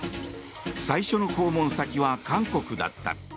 最初の訪問先は韓国だった。